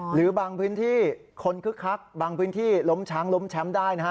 หรือบางพื้นที่คนคึกคักบางพื้นที่ล้มช้างล้มแชมป์ได้นะฮะ